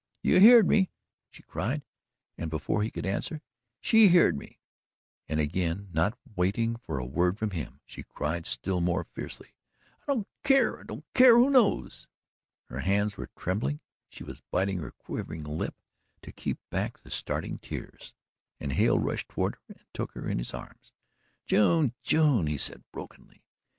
"YOU heerd me?" she cried, and before he could answer "SHE heerd me," and again, not waiting for a word from him, she cried still more fiercely: "I don't keer! I don't keer WHO knows." Her hands were trembling, she was biting her quivering lip to keep back the starting tears, and Hale rushed toward her and took her in his arms. "June! June!" he said brokenly.